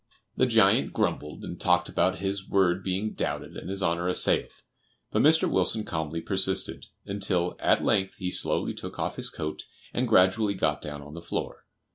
The giant grumbled and talked about his word being doubted and his honor assailed, but Mr. Wilson calmly persisted, until at length he slowly took off his coat and gradually got down on the floor.